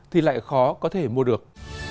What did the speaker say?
thì lại khó có thể mua được